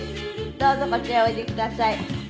どうぞこちらへおいでください。